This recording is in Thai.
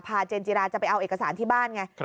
เจนจิราจะไปเอาเอกสารที่บ้านไง